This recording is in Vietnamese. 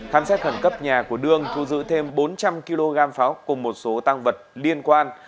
thám xét khẩn cấp nhà của đương thu giữ thêm bốn trăm linh kg pháo cùng một số tăng vật liên quan